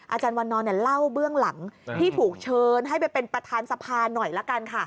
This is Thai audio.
อาจารย์วันนอนเล่าเบื้องหลังที่ถูกเชิญให้ไปเป็นประธานสภาหน่อยละกันค่ะ